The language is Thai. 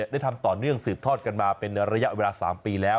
ได้ทำต่อเนื่องสืบทอดกันมาเป็นระยะเวลา๓ปีแล้ว